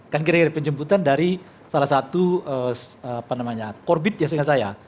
kan kira kira penjemputan dari salah satu korbit biasanya saya